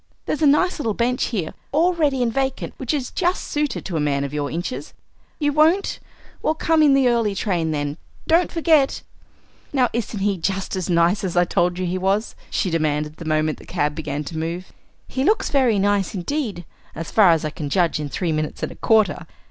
There's a nice little bench here all ready and vacant, which is just suited to a man of your inches. You won't? Well, come in the early train, then. Don't forget. Now, isn't he just as nice as I told you he was?" she demanded, the moment the cab began to move. "He looks very nice indeed, as far as I can judge in three minutes and a quarter."